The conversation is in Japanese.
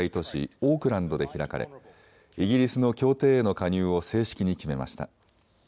オークランドで開かれイギリスの協定への加入を正式に決めました。